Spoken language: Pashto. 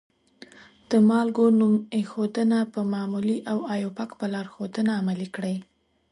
د مالګو نوم ایښودنه په معمولي او آیوپک په لارښودنه عملي کړئ.